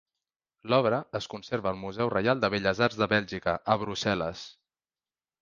L'obra es conserva al Museu Reial de Belles Arts de Bèlgica, a Brussel·les.